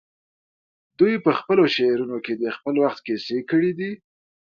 دوی په خپلو شعرونو کې د خپل وخت کیسې کړي دي